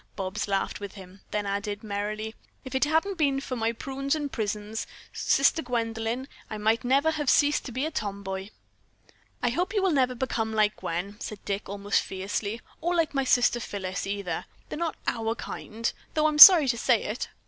Bobs laughed with him, then added merrily, "If it hadn't been for my prunes and prisms, Sister Gwendolyn, I might never have ceased to be a tom boy." "I hope you never will become like Gwen," Dick said almost fiercely, "or like my sister Phyllis, either. They're not our kind, though I'm sorry to say it."